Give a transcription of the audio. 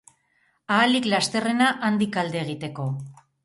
Ahalik lasterrena handik alde egiteko.